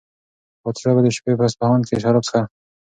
پادشاه به د شپې په اصفهان کې شراب څښل.